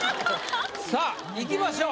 さぁいきましょう。